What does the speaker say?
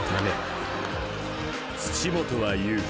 ［土本は言う］